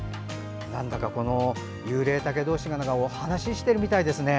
なんだかこのユウレイタケ同士がお話しているみたいですね。